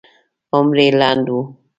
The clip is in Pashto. عمر یې لنډ و.